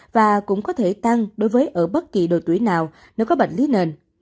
và cũng có thể tăng đối với ở bất kỳ độ tuổi nào nếu có bệnh lý nền